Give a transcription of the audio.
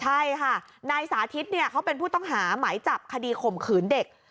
ใช่ค่ะนายสาธิตเขาเป็นผู้ต้องหาหมายจับคดีข่มขืนเด็ก